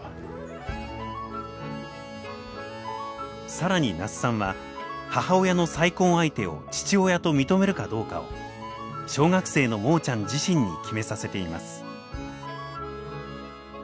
更に那須さんは母親の再婚相手を父親と認めるかどうかを小学生のモーちゃん自身に決めさせています。